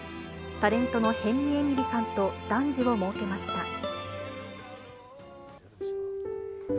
タレントの辺見えみりさんと男児をもうけました。